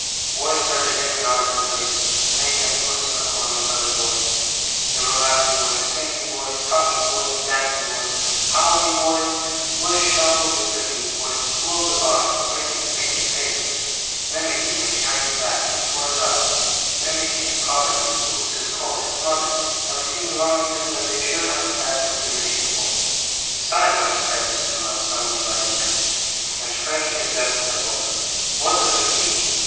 Boys started in and out of their places, playing at puss in the corner with other boys; there were laughing boys, singing boys, talking boys, dancing boys, howling boys; boys shuffled with their feet, boys whirled about him, grinning, making faces, mimicking him behind his back and before his eyes; mimicking his poverty, his boots, his coat, his mother, everything belonging to him that they should have had consideration for. 'Silence!' cried Mr. Mell, suddenly rising up, and striking his desk with the book. 'What does this mean!